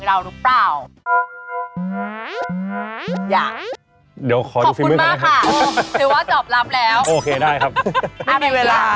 คือว่าจอบรับแล้วโอเคได้ครับไม่มีเวลาครับ